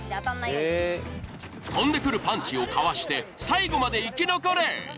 飛んでくるパンチをかわして最後まで生き残れ！